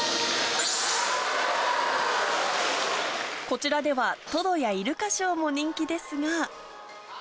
こちらでは、トドやイルカショーも人気ですが。